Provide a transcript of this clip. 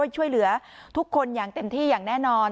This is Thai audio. ช่วยเหลือทุกคนอย่างเต็มที่อย่างแน่นอน